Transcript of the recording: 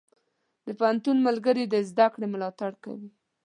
د پوهنتون ملګري د زده کړې ملاتړ کوي.